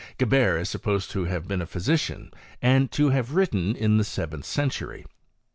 Geber is supposed to have bei a physician, and to have written in the seventh ce: tury.